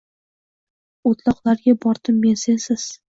O‘tloqlarga bordim men sensiz